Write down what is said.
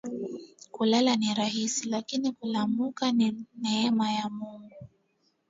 Kulala ni raisi lakini kulamuka ni neema ya Mungu